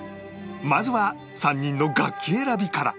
まずは３人の楽器選びから